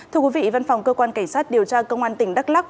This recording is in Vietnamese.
thưa quý vị văn phòng cơ quan cảnh sát điều tra công an tỉnh đắk lắc